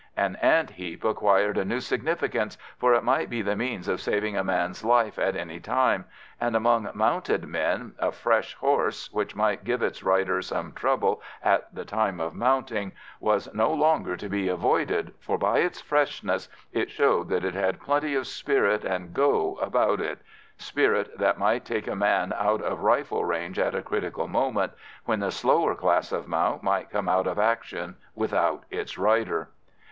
An ant heap acquired a new significance, for it might be the means of saving a man's life at any time, and among mounted men a "fresh" horse, which might give its rider some trouble at the time of mounting, was no longer to be avoided, for by its freshness it showed that it had plenty of spirit and go about it, spirit that might take a man out of rifle range at a critical moment, when the slower class of mount might come out of action without its rider.